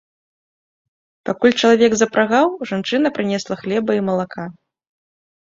Пакуль чалавек запрагаў, жанчына прынесла хлеба і малака.